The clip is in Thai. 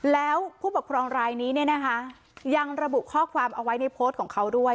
แล้วผู้ปกครองรายนี้เนี่ยนะคะยังระบุข้อความเอาไว้ในโพสต์ของเขาด้วย